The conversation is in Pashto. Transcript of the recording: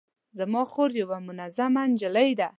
زما خور یوه منظمه نجلۍ ده